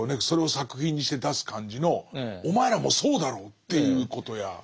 それを作品にして出す感じのお前らもそうだろう？っていうことや。